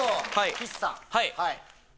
岸さん。